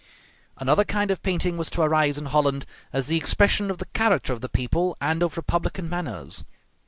Another kind of painting was to arise in Holland, as the expression of the character of the people and of republican manners.